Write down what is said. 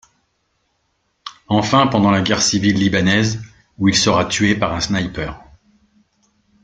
Enfin pendant la guerre civile libanaise où il sera tué par un sniper.